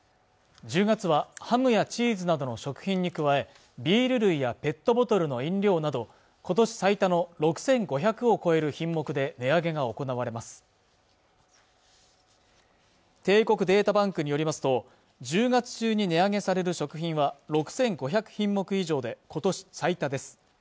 １０月はハムやチーズなどの食品に加えビール類やペットボトルの飲料など今年最多の６５００を超える品目で値上げが行われます帝国データバンクによりますと１０月中に値上げされる食品は６５００品目以上で今年最多です